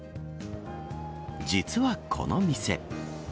実はこの店。